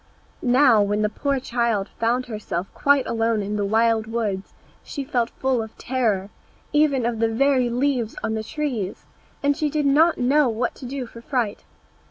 Now, when the poor child found herself quite alone in the wild woods, she felt full of terror, even of the very leaves on the trees, and she did not know what to do for fright.